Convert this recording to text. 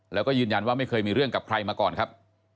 แล้วก็ยืนยันว่าไม่เคยมีเรื่องกับใครมาก่อนครับ